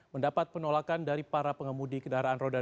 mendapat penolakan dari para pengemudi kendaraan roda dua